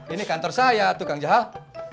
ini kantor saya tuh kang jahal